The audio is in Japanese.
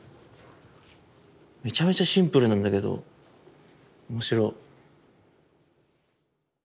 めちゃめちゃシンプルなんだけど面白い。